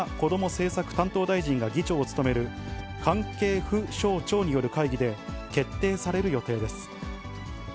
政策担当大臣が議長を務める、関係府省庁による会議で決定される予定です。